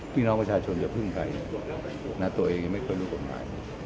พี่น้องประชาชนอย่าพึ่งใครนะตัวเองไม่เคยรู้กฎหมาย